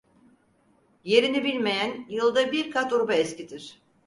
Yerini bilmeyen, yılda bir kat urba eskitir.